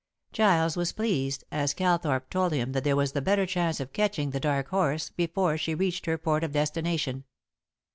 Giles was pleased, as Calthorpe told him that there was the better chance of catching The Dark Horse before she reached her port of destination.